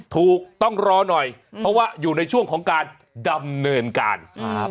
ถูกต้องรอหน่อยเพราะว่าอยู่ในช่วงของการดำเนินการ